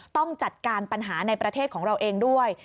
ต้องจัดการปัญหาในประเทศของเราเองด้วย